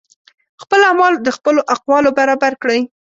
خپل اعمال د خپلو اقوالو برابر کړئ